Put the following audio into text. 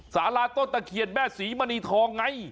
สาราต้นตะเคียนแม่ศรีมณีทองไง